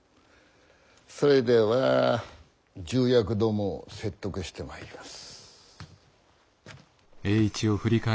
それでは重役どもを説得してまいります。